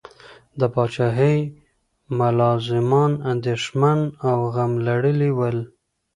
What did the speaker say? د پاچاهۍ ملازمان اندیښمن او غم لړلي ول.